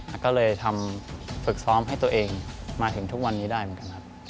แล้วก็เลยทำฝึกซ้อมให้ตัวเองมาถึงทุกวันนี้ได้เหมือนกันครับ